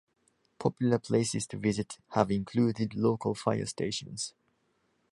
Popular places to visit have included local fire stations.